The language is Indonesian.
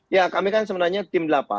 ya kami kan sebenarnya tim delapan